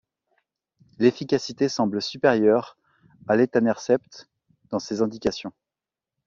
L'efficacité semble supérieure à l'étanercept dans ces indications.